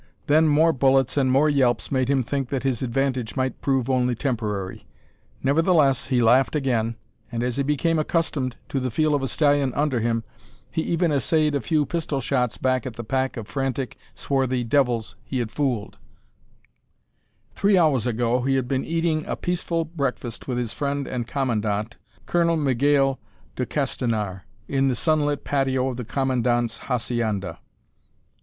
Then more bullets and more yelps made him think that his advantage might prove only temporary. Nevertheless, he laughed again, and as he became accustomed to the feel of a stallion under him, he even essayed a few pistol shots back at the pack of frantic, swarthy devils he had fooled. [Illustration: His head wavered back and forth and his hiss filled the night.] Three hours ago he had been eating a peaceful breakfast with his friend and commandant, Colonel Miguel de Castanar, in the sunlit patio of the commandant's hacienda.